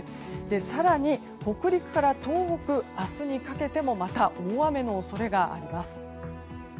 更に、北陸から東北明日にかけてもまた大雨の恐れがあります。